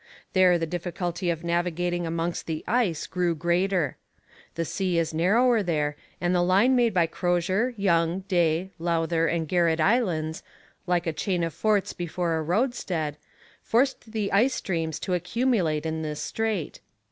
There the difficulty of navigating amongst the ice grew greater. The sea is narrower there, and the line made by Crozier, Young, Day, Lowther, and Garret Islands, like a chain of forts before a roadstead, forced the ice streams to accumulate in this strait.